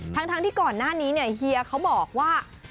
ทั้งที่ก่อนหน้านี้เนี่ยเฮียเขาบอกว่า